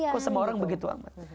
kok semua orang begitu amat